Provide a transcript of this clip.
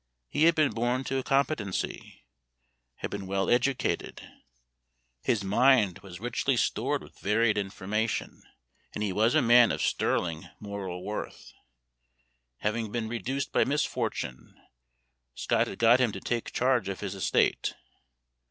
He had been born to a competency, had been well educated, his mind was richly stored with varied information, and he was a man of sterling moral worth. Having been reduced by misfortune, Scott had got him to take charge of his estate.